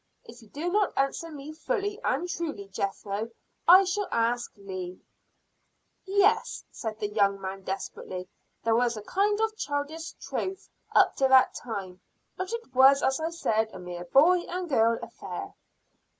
If you do not answer me fully and truly, Jethro, I shall ask Leah." "Yes," said the young man desperately "there was a kind of childish troth up to that time, but it was, as I said, a mere boy and girl affair."